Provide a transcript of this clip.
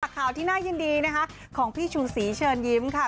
ข่าวที่น่ายินดีนะคะของพี่ชูศรีเชิญยิ้มค่ะ